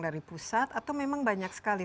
dari pusat atau memang banyak sekali